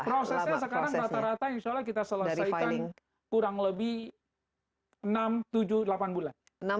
prosesnya sekarang rata rata insya allah kita selesaikan kurang lebih enam tujuh delapan bulan